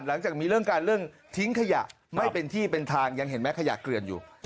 หลังจากมีเรื่องการเรื่องทิ้งขยะไม่เป็นที่เป็นทางยังเห็นไหมขยะเกลือนอยู่